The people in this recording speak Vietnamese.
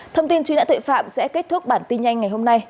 thông tin truy nã tội phạm sẽ kết thúc bản tin nhanh ngày hôm nay